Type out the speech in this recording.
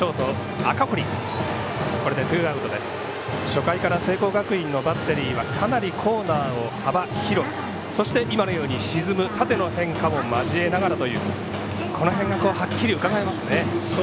初回から聖光学院のバッテリーはかなりコーナーを幅広くそして今のように沈む縦の変化も交えながらというこの辺がはっきりうかがえますね。